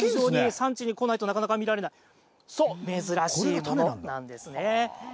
産地に来ないとなかなか見られない、珍しいものなんですね。